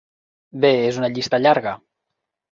Bé, és una llista llarga.